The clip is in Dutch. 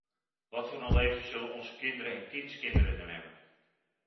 Wat voor een leven zullen onze kinderen en kindskinderen dan hebben?